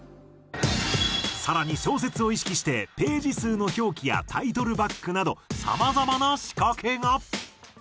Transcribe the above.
更に小説を意識してページ数の表記やタイトルバックなどさまざまな仕掛けが。